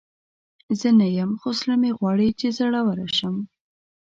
زه نه یم، خو زړه مې غواړي چې زړوره شم.